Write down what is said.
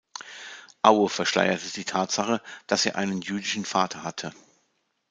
Aue verschleierte die Tatsache, dass er einen jüdischen Vater hatte.